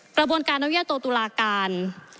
กระบวนการอนุญาโตตุลาการ